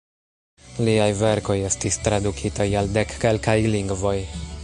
Liaj verkoj estis tradukitaj al dek kelkaj lingvoj.